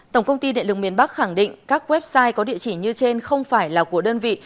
tổng công ty điện lực miền bắc khẳng định các website có địa chỉ như trên không phải là của đơn vị